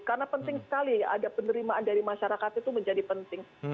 karena penting sekali ya ada penerimaan dari masyarakat itu menjadi penting